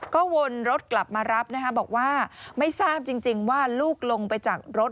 ก็วนรถกลับมารับนะคะบอกว่าไม่ทราบจริงว่าลูกลงไปจากรถ